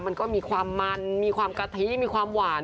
มันก็มีความมันมีความกะทิมีความหวาน